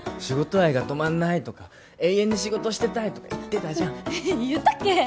「仕事愛が止まんない」とか「永遠に仕事してたい」とか言ってたじゃん言ったっけ？